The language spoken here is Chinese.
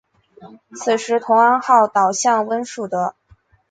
此时同安号倒向温树德。